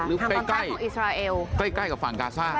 หรือใกล้กับฝั่งกาซ่า